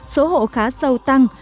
số hộ khá sâu tăng